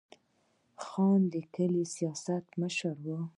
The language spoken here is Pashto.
خان د کلي سیاسي مشر وي.